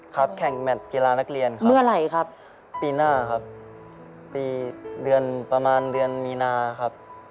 ครับแข่งแมทเกียราณักเรียนครับปีหน้าครับปีเดือนประมาณเดือนมีนาครับ